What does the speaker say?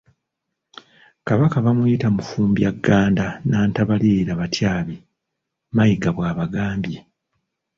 "Kabaka bamuyita Mufumbyagganda Nnantabalirira batyabi.” Mayiga bw'amugambye.